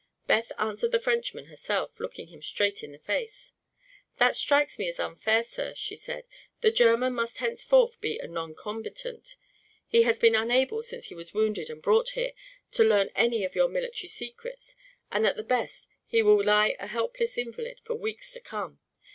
Beth answered the Frenchman herself, looking him straight in the face. "That strikes me as unfair, sir," said she. "The German must henceforth be a noncombatant. He has been unable, since he was wounded and brought here, to learn any of your military secrets and at the best he will lie a helpless invalid for weeks to come.